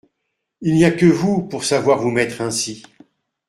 Il n’y a que vous pour savoir vous mettre ainsi.